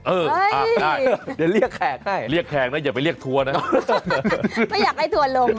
เออได้เดี๋ยวเรียกแขกได้เรียกแขกนะอย่าไปเรียกทัวร์นะไม่อยากให้ทัวร์ลง